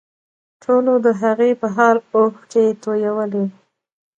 ټولو د هغې په حال اوښکې تویولې